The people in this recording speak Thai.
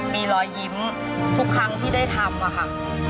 มีรอยยิ้มทุกครั้งที่ได้ทำค่ะ